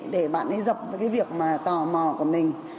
để bạn ấy dập với cái việc mà tò mò của mình